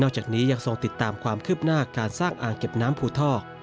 จากนี้ยังทรงติดตามความคืบหน้าการสร้างอ่างเก็บน้ำภูทอก